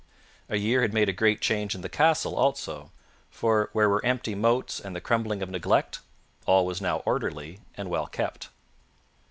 A year had made a great change in the castle, also, for, where were empty moats and the crumbling of neglect, all was now orderly and well kept.